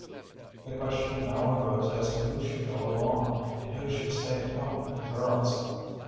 The question now arose as to who should go along and who should stay at home with the girls.